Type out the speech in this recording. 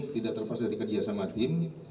tidak terlepas dari kerja sama tim